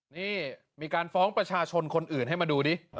นี่มีการฟ้องประชาชนคนอื่นให้มาดูดิ